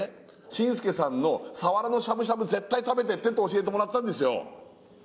しんすけさんの鰆のしゃぶしゃぶ絶対食べてってと教えてもらったんですよ